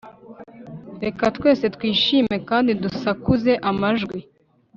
reka twese twishime kandi dusakuze amajwi